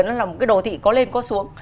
nó là một cái đô thị có lên có xuống